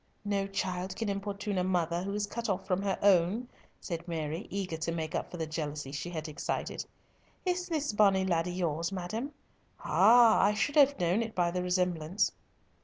"No child can importune a mother who is cut off from her own," said Mary, eager to make up for the jealousy she had excited. "Is this bonnie laddie yours, madam? Ah! I should have known it by the resemblance."